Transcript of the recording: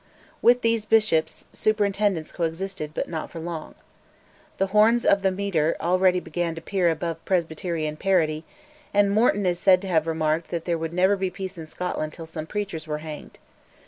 With these bishops, superintendents co existed, but not for long. "The horns of the mitre" already began to peer above Presbyterian parity, and Morton is said to have remarked that there would never be peace in Scotland till some preachers were hanged.